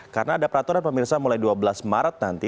karena ada peraturan pemirsa mulai dua belas maret nanti